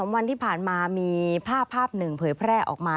วันที่ผ่านมามีภาพหนึ่งเผยแพร่ออกมา